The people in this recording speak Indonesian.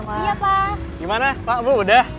mak iya pak gimana pak bu udah